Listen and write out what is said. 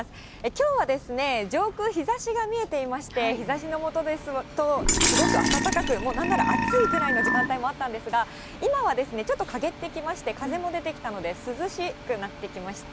きょうは上空、日ざしが見えていまして、日ざしの下ですと、すごく暖かく、もうなんなら暑いぐらいの時間帯もあったんですが、今はちょっと陰ってきまして、風も出てきたので、涼しくなってきました。